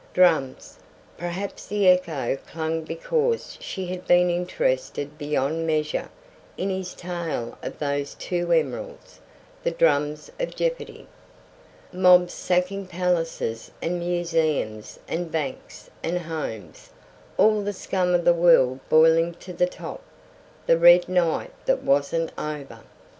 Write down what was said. Drums! Perhaps the echo clung because she had been interested beyond measure in his tale of those two emeralds, the drums of jeopardy. Mobs sacking palaces and museums and banks and homes; all the scum of the world boiling to the top; the Red Night that wasn't over.